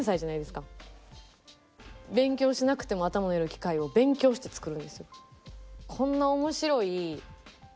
勉強しなくても頭のよくなる機械を勉強して作るんですよ。